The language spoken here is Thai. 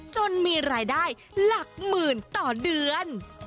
จนมีรายได้หลักหมื่นต่อเดือน